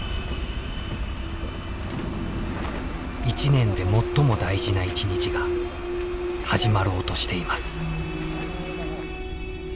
一年で最も大事な一日が始まろうとしています。